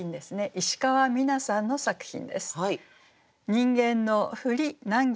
石川美南さんの作品です。